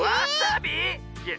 いや